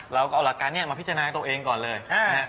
เราเอาหลักการนี้มาพิจารณาตัวเองก่อนเลย